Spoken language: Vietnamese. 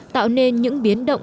tạo nên những biến động